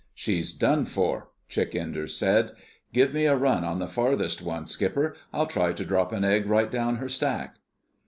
"She's done for," Chick Enders said. "Give me a run on the farthest one, Skipper. I'll try to drop an egg right down her stack."